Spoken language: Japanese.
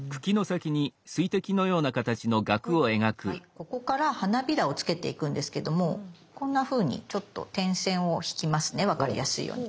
ここから花びらをつけていくんですけどもこんなふうにちょっと点線を引きますね分かりやすいように。